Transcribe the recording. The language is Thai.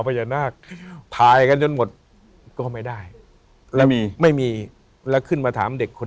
พญานาคถ่ายกันจนหมดก็ไม่ได้แล้วมีไม่มีแล้วขึ้นมาถามเด็กคน